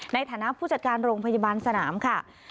ในฐานะผู้จัดการโรงพยาบาลสนามค่ะ